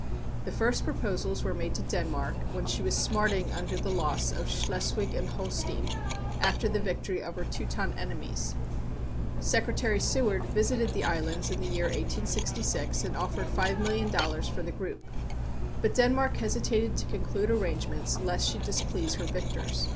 The first proposals were made to Denmark when she was smarting under the loss of Schleswig and Holstein, after the victory of her Teuton enemies. Secretary Seward visited the islands in the year 1866, and offered five million dollars for the group. But Denmark hesitated to conclude arrangements, lest she displease her victors.